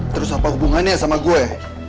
terus apa hubungannya sama gue